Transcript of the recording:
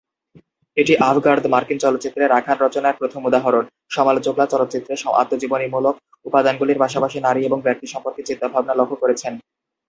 এটি আঁভ-গার্দ মার্কিন চলচ্চিত্রের আখ্যান রচনার প্রথম উদাহরণ; সমালোচকরা চলচ্চিত্রে আত্মজীবনীমূলক উপাদানগুলির পাশাপাশি নারী এবং ব্যক্তি সম্পর্কে চিন্তাভাবনা লক্ষ্য করেছেন।